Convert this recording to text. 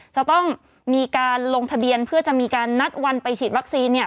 จะต้องมีการลงทะเบียนเพื่อจะมีการนัดวันไปฉีดวัคซีน